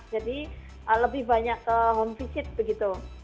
jadi lebih banyak ke home visit begitu